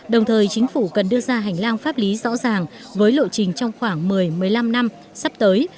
đồng thời chính phủ cần đưa ra hành lang pháp lý rõ ràng với lộ trình trong khoảng một mươi một mươi năm năm sắp tới